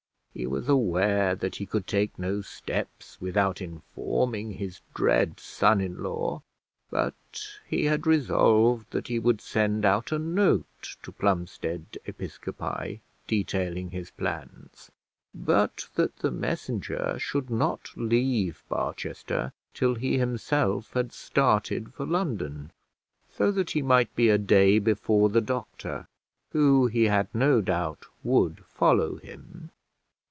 He was aware that he could take no steps without informing his dread son in law, but he had resolved that he would send out a note to Plumstead Episcopi detailing his plans, but that the messenger should not leave Barchester till he himself had started for London; so that he might be a day before the doctor, who, he had no doubt, would follow him.